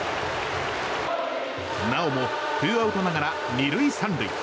なおもツーアウトながら２塁３塁。